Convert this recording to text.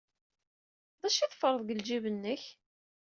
D acu ay teffreḍ deg ljib-nnek?